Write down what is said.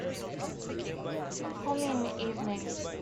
Call me in the evening.